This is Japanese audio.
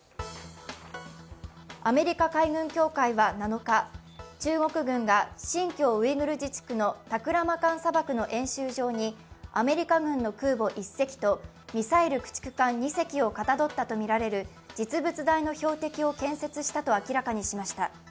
アメリカ海軍協会は７日、中国軍が新疆ウイグル自治区のタクラマカン砂漠の演習場にアメリカ軍の空母１隻とミサイル駆逐艦２隻をかたどったとみられる実物大の標的を建設したと明らかにしました。